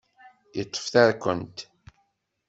Yeṭṭef tarkent.